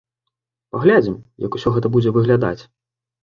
Паглядзім, як усё гэта будзе выглядаць.